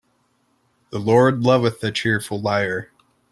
The Lord loveth a cheerful liar.